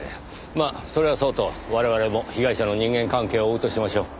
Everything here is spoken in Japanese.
まあそれはそうと我々も被害者の人間関係を追うとしましょう。